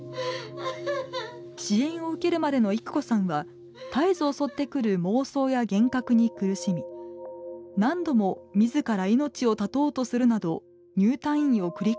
支援を受けるまでの育子さんは絶えず襲ってくる妄想や幻覚に苦しみ何度も自ら命を絶とうとするなど入退院を繰り返していました。